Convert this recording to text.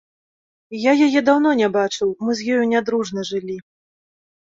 Я яе даўно не бачыў, мы з ёю не дружна жылі.